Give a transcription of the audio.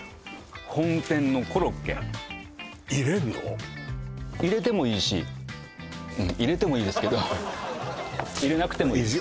本店のコロッケ入れてもいいし入れてもいいですけど入れなくてもいいです